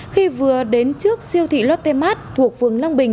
khi vừa đến trước siêu thị lotte mart thuộc phường long bình